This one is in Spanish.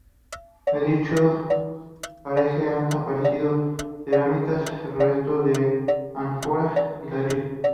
En dicho paraje han aparecido cerámicas, restos de ánfora y ladrillos.